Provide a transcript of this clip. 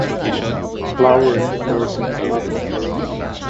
Flowering occurs in April.